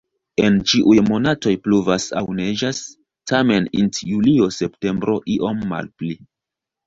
En ĉiuj monatoj pluvas aŭ neĝas, tamen int julio-septembro iom malpli.